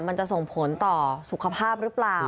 มันจะส่งผลต่อสุขภาพหรือเปล่า